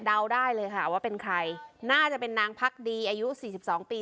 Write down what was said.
ได้เลยค่ะว่าเป็นใครน่าจะเป็นนางพักดีอายุสี่สิบสองปี